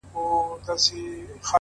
زه و تاته پر سجده يم ته وماته پر سجده يې